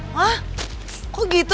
hah kok gitu